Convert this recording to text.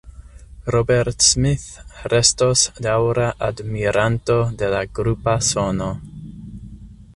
Robert Smith restos daŭra admiranto de la grupa sono.